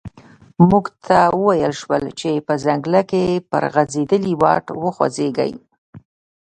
موږ ته و ویل شول چې په ځنګله کې پر غزیدلي واټ وخوځیږئ.